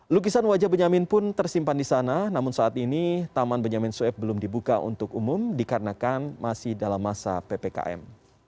lukisan wajah benyamin pun tersimpan di sana namun saat ini taman benyamin sueb belum dibuka untuk umum dikarenakan masih dalam masa ppkm